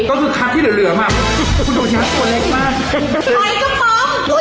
ก็คือคักที่เหลือมาคุณต้องชั้นตัวเล็กมาก